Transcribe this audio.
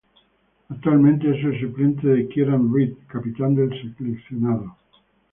Actualmente es el suplente de Kieran Read, capitán del seleccionado.